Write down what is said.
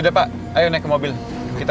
gak apa apa cuma saya adaligh